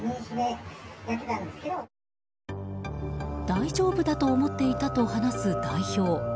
大丈夫だと思っていたと話す代表。